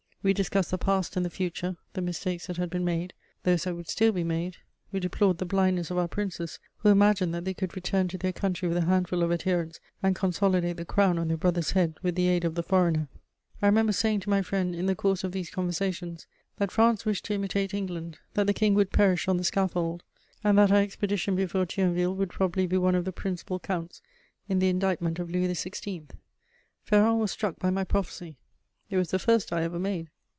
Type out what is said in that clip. We discussed the past and the future, the mistakes that had been made, those that would still be made; we deplored the blindness of our Princes, who imagined that they could return to their country with a handful of adherents and consolidate the crown on their brother's head with the aid of the foreigner. I remember saying to my friend, in the course of these conversations, that France wished to imitate England, that the King would perish on the scaffold, and that our expedition before Thionville would probably be one of the principal counts in the indictment of Louis XVI. Ferron was struck by my prophecy: it was the first I ever made.